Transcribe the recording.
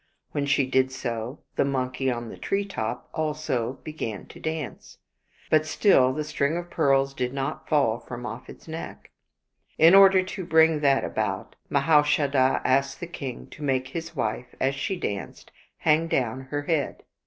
When she did so, the monkey on the tree top also began to dance ; but still the string of pearls did not fall from off its neck. In order to bring that about, Mahaushadha asked the king to make his wife, as she danced, hang down her head.